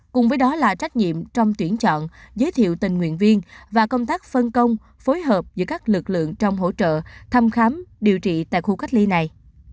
cùng với đó là trách nhiệm trong tuyển chọn giới thiệu tình nguyện viên và công tác phân công phối hợp giữa các lực lượng trong hỗ trợ thăm khám điều trị tại khu cách ly này